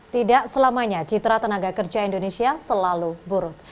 tidak selamanya citra tenaga kerja indonesia selalu buruk